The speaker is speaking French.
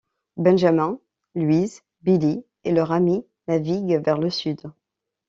Benjamin, Louise, Billy et leurs amis naviguent vers le sud.